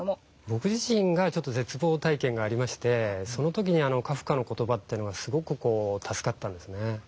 僕自身がちょっと絶望体験がありましてその時にカフカの言葉というのがすごく助かったんですね。